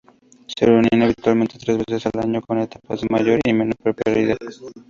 Se reunía habitualmente tres veces al año, con etapas de mayor y menor periodicidad.